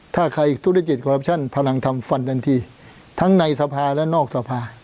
ถ้าใครธุรกิจคอรัปชั่นพลังทำฟันทันทีทั้งในสภาและนอกสภา